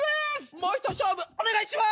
もう一勝負お願いします！